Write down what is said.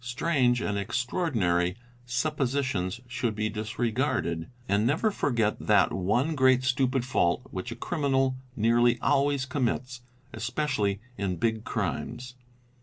Strange and extraordinary suppositions should be disregarded. _ And never forget that one great stupid fault which a criminal nearly 7 always commits, especially in big crimes.